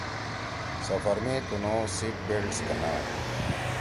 سفر می تُنُو سیٹ بیلٹس گھنا۔